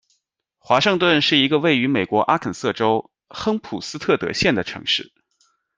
华盛顿是一个位于美国阿肯色州亨普斯特德县的城市。